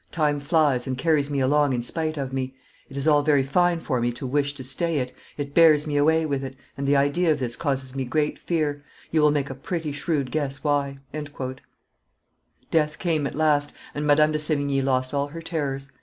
Time flies, and carries me along in spite of me; it is all very fine for me to wish to stay it, it bears me away with it, and the idea of this causes me great fear; you will make a pretty shrewd guess why." Death came at last, and Madame de Sevigne lost all her terrors.